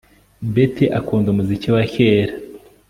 Betty akunda umuziki wa kera